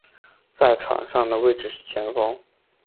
在场上的位置是前锋。